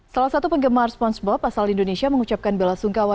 salah satu penggemar spongebob asal indonesia mengucapkan bela sungkawa